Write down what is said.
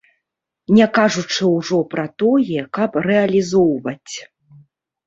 Не кажучы ўжо пра тое, каб рэалізоўваць.